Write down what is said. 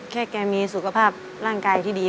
แค่แกมีสุขภาพร่างกายที่ดี